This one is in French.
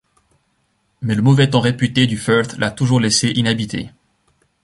Mais le mauvais temps réputé du Firth l'a toujours laissé inhabitée.